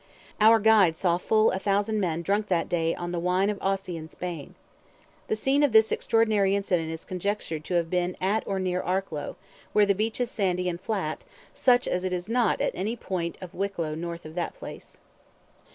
Our guide saw full a thousand men drunk that day on "the wine of Ossey and Spain." The scene of this extraordinary incident is conjectured to have been at or near Arklow, where the beach is sandy and flat, such as it is not at any point of Wicklow north of that place.